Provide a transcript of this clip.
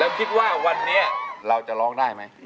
แล้วคิดว่าวันนี้เราจะร้องได้ไหม